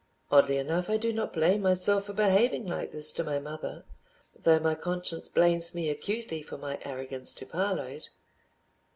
Oddly enough, I do not blame myself for behaving like this to my mother, though my conscience blames me acutely for my arrogance to Parload.